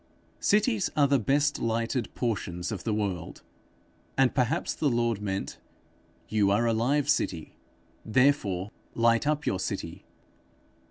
Cities are the best lighted portions of the world; and perhaps the Lord meant, 'You are a live city, therefore light up your city.'